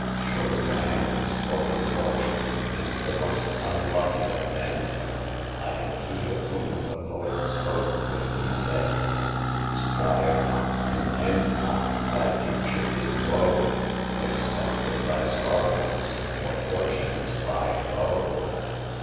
Surely, I am the sport of Fortune, and the most unlucky of men ! I am he of whom the poet spoke when he said :* strive not, contend not ; thy future is woe ; Accept of thy sorrows, for Fortune's thy foe.'